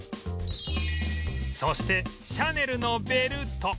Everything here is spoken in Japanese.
そしてシャネルのベルト